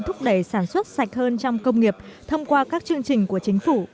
thúc đẩy sản xuất sạch hơn trong công nghiệp thông qua các chương trình của chính phủ